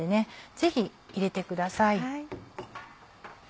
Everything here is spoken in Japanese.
ぜひ入れてください。